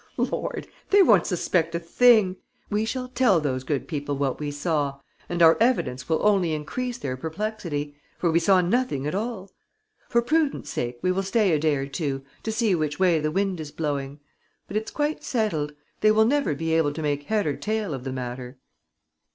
"Lord, they won't suspect a thing! We shall tell those good people what we saw and our evidence will only increase their perplexity, for we saw nothing at all. For prudence sake we will stay a day or two, to see which way the wind is blowing. But it's quite settled: they will never be able to make head or tail of the matter."